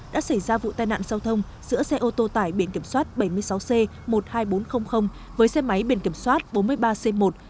đã xảy ra vụ tai nạn giao thông giữa xe ô tô tải biển kiểm soát bảy mươi sáu c một mươi hai nghìn bốn trăm linh với xe máy biển kiểm soát bốn mươi ba c một bốn mươi sáu nghìn ba trăm ba mươi tám